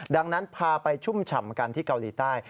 ดังนั้นพาไปชุ่มฉ่ำกันที่เกาหลีใต้